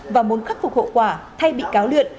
và muốn khắc phục hậu quả thay bị cáo luyện